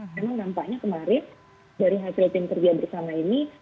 memang nampaknya kemarin dari hasil tim kerja bersama ini